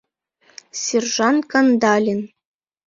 Сержант Кандалин